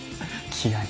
気合い。